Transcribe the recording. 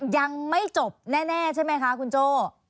ยังไม่จบแน่ใช่ไหมคะคุณโจ้